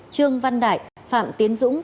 trương văn đại phạm tiến dũng